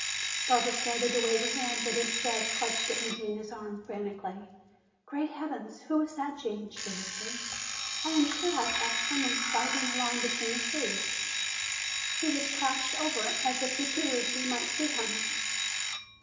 Barbara started to wave her hand, but instead clutched at Eugenia's arm frantically. "Great heavens, who was that, Gene?" she whispered. "I am sure I saw some one sliding along between the trees. He was crouched over as if he feared we might see him."